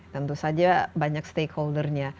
tentu saja banyak stakeholder nya